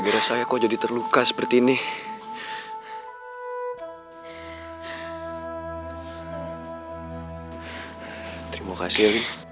terima kasih kau sudah menyelamatkan saya